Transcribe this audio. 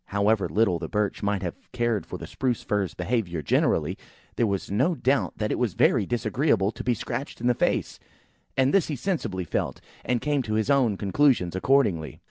However little the Birch might have cared for the Spruce fir's behaviour generally, there was no doubt that it was very disagreeable to be scratched in the face; and this he sensibly felt, and came to his own conclusions accordingly.